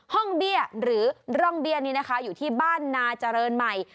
เบี้ยหรือร่องเบี้ยนี้นะคะอยู่ที่บ้านนาเจริญใหม่